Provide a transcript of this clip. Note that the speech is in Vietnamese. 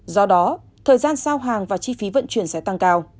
do đó thời gian giao hàng và chi phí vận chuyển sẽ tăng cao